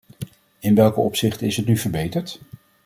In welke opzichten is het nu verbeterd?